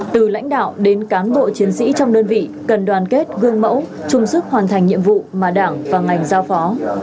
từ lãnh đạo đến cán bộ chiến sĩ trong đơn vị cần đoàn kết gương mẫu chung sức hoàn thành nhiệm vụ mà đảng và ngành giao phó